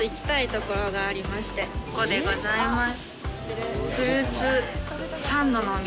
ここでございます。